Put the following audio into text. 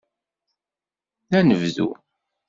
D anebdu.